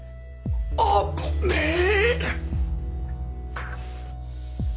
危ねえ。